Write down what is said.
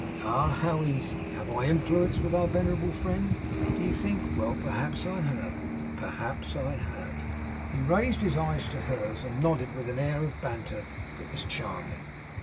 Ah, how easy! HAVE I influence with our venerable friend, do you think? Well, perhaps I have. Perhaps I have.' He raised his eyes to hers; and nodded with an air of banter that was charming.